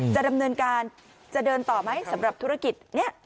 จะดำเนินการจะเดินต่อไหมสำหรับธุรกิจนี้